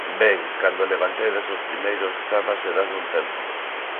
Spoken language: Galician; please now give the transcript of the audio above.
_Ben, cando levantedes os primeiros, chamas e dásme un tempo.